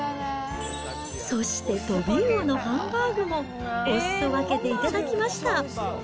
そしてトビウオのハンバーグも、おすそ分けで頂きました。